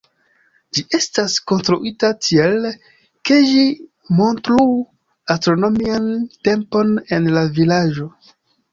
Ĝi estas konstruita tiel, ke ĝi montru astronomian tempon en la vilaĝo.